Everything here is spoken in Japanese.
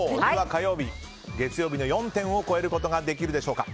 火曜日月曜日の４点を超えることができるでしょうか。